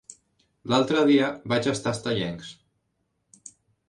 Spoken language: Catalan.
L'altre dia vaig estar a Estellencs.